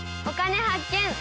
「お金発見」。